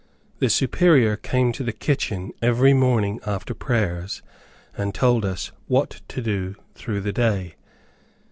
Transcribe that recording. The Superior came to the kitchen every morning after prayers and told us what to do through the day.